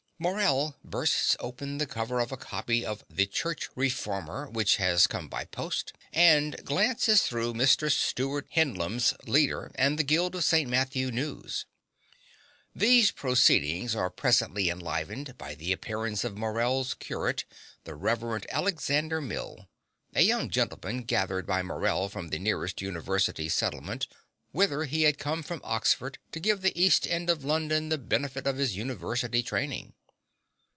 Morell bursts open the cover of a copy of The Church Reformer, which has come by post, and glances through Mr. Stewart Hendlam's leader and the Guild of St. Matthew news. These proceedings are presently enlivened by the appearance of Morell's curate, the Reverend Alexander Mill, a young gentleman gathered by Morell from the nearest University settlement, whither he had come from Oxford to give the east end of London the benefit of his university training.